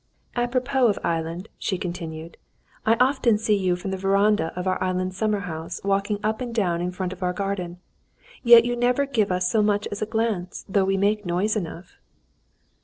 "Apropos of island," she continued, "I often see you from the verandah of our island summer house walking up and down in front of our garden; yet you never give us so much as a glance, though we make noise enough."